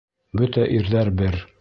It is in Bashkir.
Бөтә ирҙәр бер!